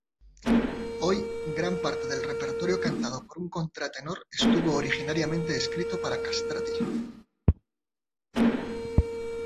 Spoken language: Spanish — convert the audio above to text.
Hoy, gran parte del repertorio cantado por un contratenor estuvo originariamente escrito para "castrati".